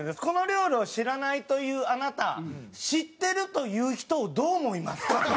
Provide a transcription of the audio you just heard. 「この料理を知らないというあなた知ってるという人をどう思いますか？」